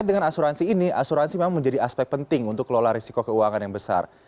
dengan asuransi ini asuransi memang menjadi aspek penting untuk kelola risiko keuangan yang besar